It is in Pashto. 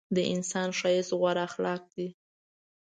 د انسان ښایست غوره اخلاق دي.